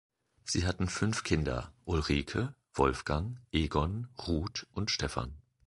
Sie hatten fünf Kinder: Ulrike, Wolfgang, Egon, Ruth und Stephan.